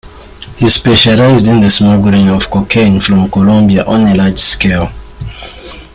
He specialized in the smuggling of cocaine from Colombia on a large scale.